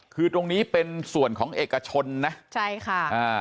คือตรงนี้เป็นส่วนของเอกชนนะใช่ค่ะอ่า